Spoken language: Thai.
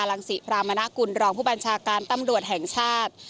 ค้นส่องของไลน์ศิบาลมณคุณรองห์ผู้บัญชาการตัำรวจแห่งชาติ